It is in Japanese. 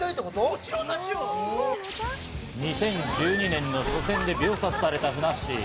２０１２年の初戦で秒殺されたふなっしー。